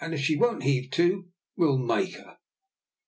"If she won't heave to, we'll make her."